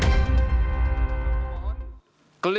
kamu menyampaikan seperti ini